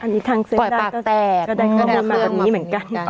อันนี้ทางเส้นด้านก็ได้ข้อมูลมาแบบนี้เหมือนกัน